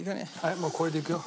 もうこれでいくよ。